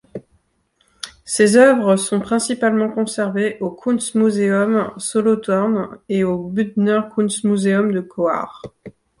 Ses œuvres sont principalement conservées au Kunstmuseum Solothurn et au Bündner Kunstmuseum de Coire.